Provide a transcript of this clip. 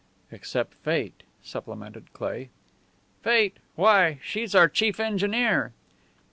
"Except fate," supplemented Cleigh. "Fate? Why, she's our chief engineer!"